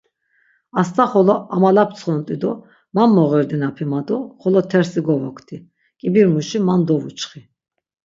Astaxolo amalaptsxont̆i do man moğerdinapi ma do xolo tersi kogovokti, k̆ibirimuşi man dovuçxi.